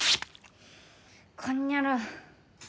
こんにゃろう。